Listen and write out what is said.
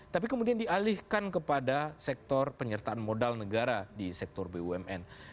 tapi kemudian dialihkan kepada sektor penyertaan modal negara di sektor bumn